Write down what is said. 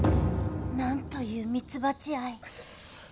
なんというミツバチ愛